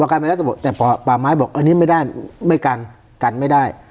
กันไปแล้วตำรวจแต่ป่าไม้บอกอันนี้ไม่ได้ไม่กันกันไม่ได้